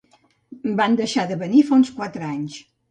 Vam deixar de venir fa uns quatre anys.